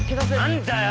何だよ！